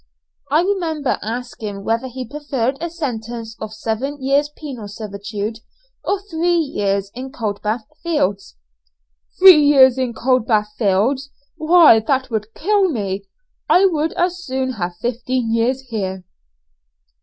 I remember asking whether he preferred a sentence of seven years' penal servitude, or three years in Coldbath Fields? "Three years in Coldbath Fields! why that would kill me. I would as soon have fifteen years here."